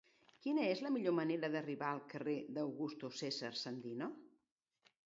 Quina és la millor manera d'arribar al carrer d'Augusto César Sandino?